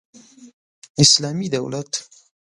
اسلامي دولت